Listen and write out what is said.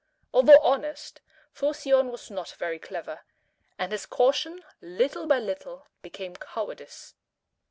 Although honest, Phocion was not very clever, and his caution little by little became cowardice.